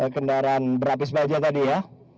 kendaraan berapis baja tadi ya